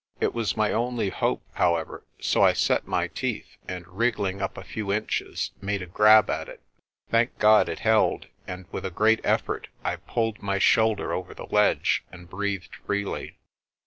It was my only hope, however, so I set my teeth, and wriggling up a few inches, made a grab at it. Thank God it held, and with a great effort I pulled my shoulder over the ledge, and breathed freely.